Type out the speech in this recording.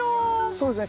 そうですね。